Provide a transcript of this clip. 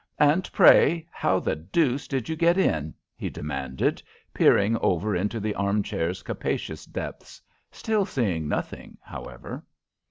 "And, pray, how the deuce did you get in?" he demanded, peering over into the arm chair's capacious depths still seeing nothing, however.